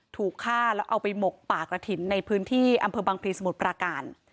ถูกฆ่าแล้วเอาไปหมกป่ากระถิ่นในพื้นที่อำเภอบังพลีสมุทรปราการ